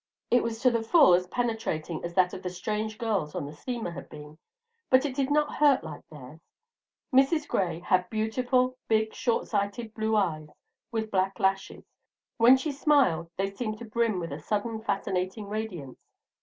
It was to the full as penetrating as that of the strange girls on the steamer had been; but it did not hurt like theirs. Mrs. Gray had beautiful, big, short sighted blue eyes with black lashes; when she smiled they seemed to brim with a sudden fascinating radiance.